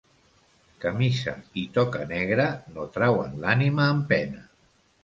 Camisa i toca negra, no trauen l'ànima en pena.